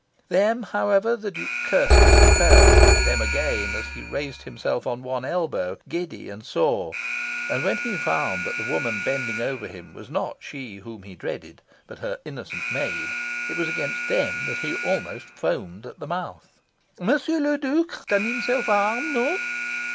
Them, however, the Duke cursed as he fell; them again as he raised himself on one elbow, giddy and sore; and when he found that the woman bending over him was not she whom he dreaded, but her innocent maid, it was against them that he almost foamed at the mouth. "Monsieur le Duc has done himself harm no?"